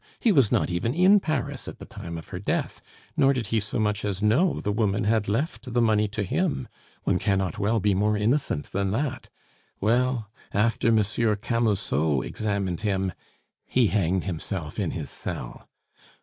He was not even in Paris at the time of her death, nor did he so much as know the woman had left the money to him! One cannot well be more innocent than that! Well, after M. Camusot examined him, he hanged himself in his cell.